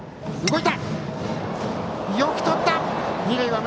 よくとった！